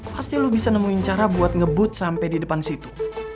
pasti lo bisa nemuin cara buat ngebut sampai di depan situ